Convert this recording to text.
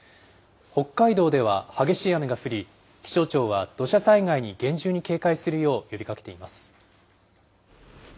北海道では激しい雨が降り、気象庁は土砂災害に厳重に警戒するよう呼びかけています。